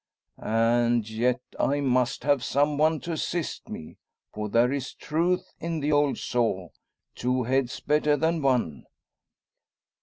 "And yet I must have some one to assist me. For there is truth in the old saw `Two heads better than one.'